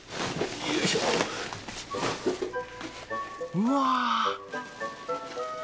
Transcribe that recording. うわ！